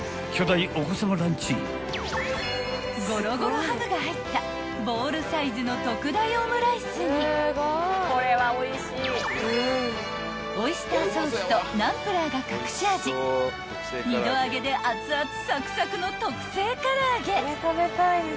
［ごろごろハムが入ったボウルサイズの特大オムライスにオイスターソースとナンプラーが隠し味２度揚げであつあつサクサクの特製唐揚げ］